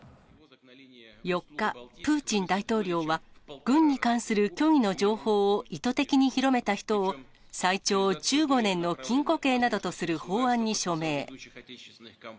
４日、プーチン大統領は、軍に関する虚偽の情報を意図的に広めた人を、最長１５年の禁錮刑などとする法案に署名。